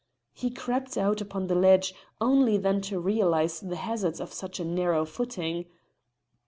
He crept out upon the ledge, only then to realise the hazards of such a narrow footing.